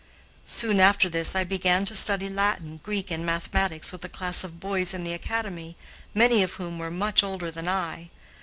Soon after this I began to study Latin, Greek, and mathematics with a class of boys in the Academy, many of whom were much older than I.